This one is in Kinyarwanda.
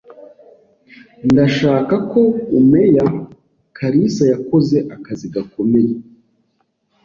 Ndashaka ko umea Kalisa yakoze akazi gakomeye.